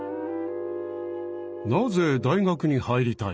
なぜ大学に入りたいの？